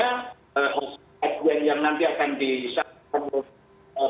yang nanti akan disaksikan pak wakup ke depan untuk bisa diperlakukan segera perlu dikasih lebih mendingan